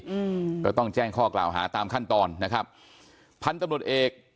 อืมก็ต้องแจ้งข้อกล่าวหาตามขั้นตอนนะครับพันธุ์ตำรวจเอก